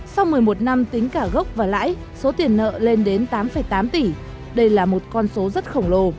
sau một mươi một năm tính cả gốc và lãi số tiền nợ lên đến tám tám tỷ đây là một con số rất khổng lồ